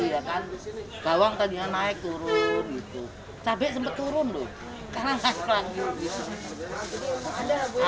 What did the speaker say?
pada saat ini kawang tadi naik turun tapi sempat turun lho